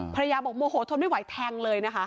ภรรยาบอกโมโหทนไม่ไหวแทงเลยนะคะ